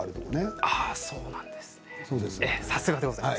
さすがでございます。